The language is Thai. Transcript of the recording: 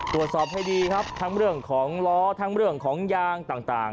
ตรวจสอบให้ดีครับทั้งเรื่องของล้อทั้งเรื่องของยางต่าง